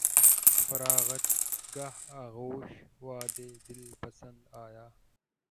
فراغت گاہ آغوش وداع دل پسند آیا